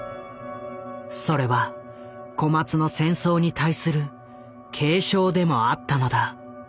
それは小松の戦争に対する警鐘でもあったのだ。